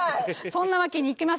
そんなわけにいきません。